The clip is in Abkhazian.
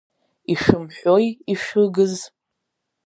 Ишәымҳәои, ишәыгыз?!